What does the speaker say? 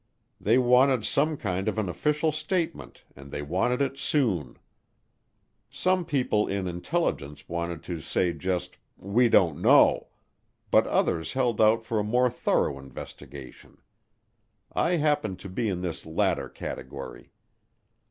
They wanted some kind of an official statement and they wanted it soon. Some people in intelligence wanted to say just, "We don't know," but others held out for a more thorough investigation. I happened to be in this latter category.